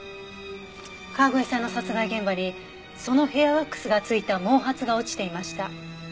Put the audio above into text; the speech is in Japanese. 川越さんの殺害現場にそのヘアワックスが付いた毛髪が落ちていました。